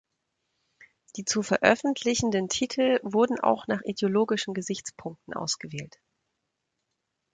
Die zu veröffentlichenden Titel wurden auch nach ideologischen Gesichtspunkten ausgewählt.